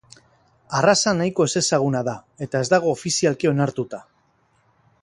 Arraza nahiko ezezaguna da eta ez dago ofizialki onartuta.